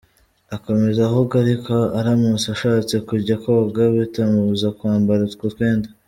Akomeza avuga ariko aramutse ashatse kujya koga bitamubuza kwambara utwo twenda.